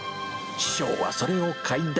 師匠はそれを快諾。